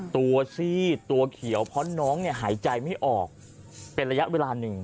ซีดตัวเขียวเพราะน้องหายใจไม่ออกเป็นระยะเวลาหนึ่ง